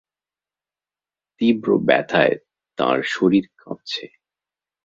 তীব্র ব্যথায় তাঁর শরীর কাঁপছে।